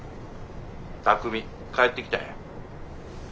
巧海帰ってきたんや。